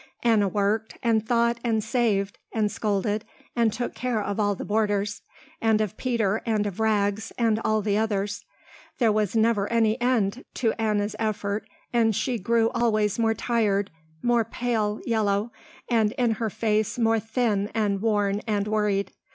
Anna worked, and thought, and saved, and scolded, and took care of all the boarders, and of Peter and of Rags, and all the others. There was never any end to Anna's effort and she grew always more tired, more pale yellow, and in her face more thin and worn and worried.